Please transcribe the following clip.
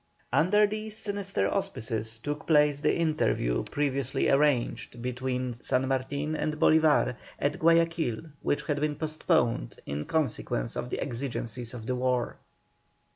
Under these sinister auspices took place the interview previously arranged between San Martin and Bolívar, at Guayaquil, which had been postponed in consequence of the exigencies of the war.